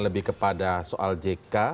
lebih kepada soal jk